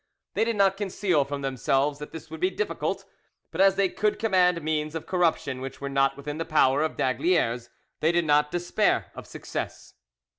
They did not conceal from themselves that this would be difficult, but as they could command means of corruption which were not within the power of d'Aygaliers, they did not despair of success.